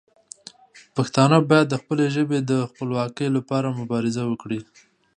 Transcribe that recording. پښتانه باید د خپلې ژبې د خپلواکۍ لپاره مبارزه وکړي.